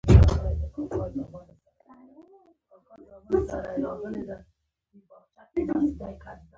د خلکو غږونه غلي کړي.